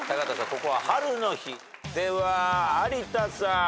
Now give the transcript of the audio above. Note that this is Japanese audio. ここは「はるのひ」では有田さん。